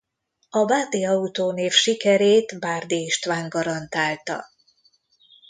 A Bárdi Autó név sikerét Bárdi István garantálta.